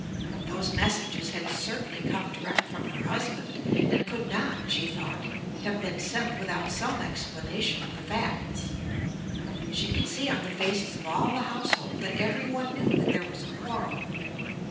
Those messages had certainly come direct from her husband, and could not, she thought, have been sent without some explanation of the facts. She could see on the faces of all the household that everyone knew that there was a quarrel.